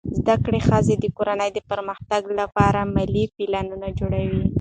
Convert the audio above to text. زده کړه ښځه د کورنۍ د پرمختګ لپاره مالي پلان جوړوي.